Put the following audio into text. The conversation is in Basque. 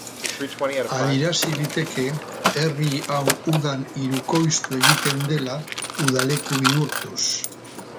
Adierazi liteke, herri hau udan hirukoiztu egiten dela, udaleku bihurtuz.